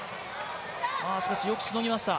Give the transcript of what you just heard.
しかしよくしのぎました。